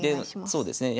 そうですね。